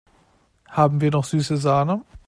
Haben wir noch süße Sahne?